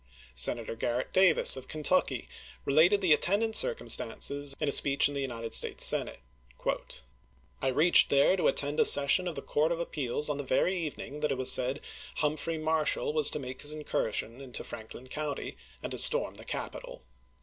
Senator Grarrett Davis of Ken tucky related the attendant circumstances in a speech in the United States Senate : I reached there to attend a session of the Court of Appeals on the very evening that it was said Humphrey Marshall was to make his incursion into Franklin County, and to storm the capital.